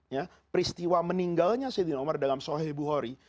ya peristiwa meninggalnya saidina umar dalam soheil buhari